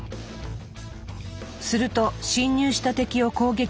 すると侵入した敵を攻撃する指令